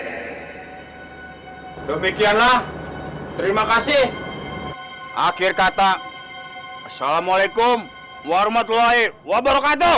demikianlah terima kasih akhir kata assalamualaikum warahmatullahi wabarakatuh